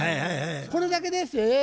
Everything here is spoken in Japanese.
これだけでっせ。